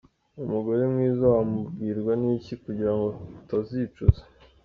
Umugore mwiza wamubwirwa n’iki kugirango utazicuza ?